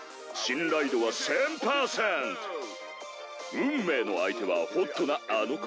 運命の相手はホットなあの子？